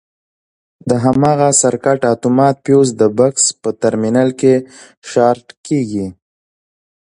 د هماغه سرکټ اتومات فیوز د بکس په ترمینل کې شارټ کېږي.